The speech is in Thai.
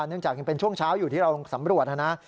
เนื่องจากยังเป็นช่วงเช้าอยู่ที่เราสำรวจนะนะ